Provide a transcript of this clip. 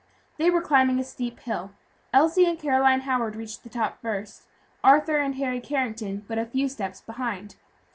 They were climbing a steep hill. Elsie and Caroline Howard reached the top first, Arthur and Harry Carrington being but a few steps behind.